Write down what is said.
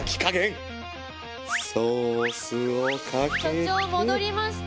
所長戻りました。